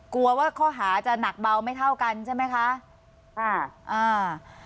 กลัวว่าข้อหาจะหนักเบาไม่เท่ากันใช่ไหมคะอ่าอ่า